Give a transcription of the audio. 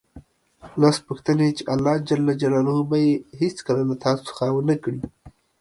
لس پوښتنې چې الله ج به یې هېڅکله له تاسو څخه ونه کړي